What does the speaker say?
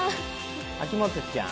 秋元ちゃん？